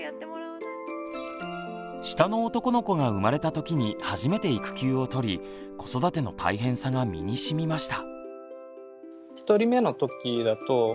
下の男の子が生まれた時に初めて育休をとり子育ての大変さが身にしみました。